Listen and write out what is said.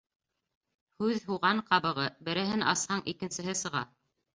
Һүҙ һуған ҡабығы: береһен асһаң икенсеһе сыға.